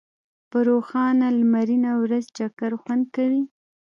په روښانه لمرینه ورځ چکر خوند کوي.